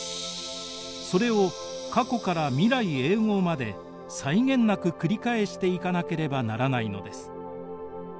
それを過去から未来永ごうまで際限なく繰り返していかなければならないのです。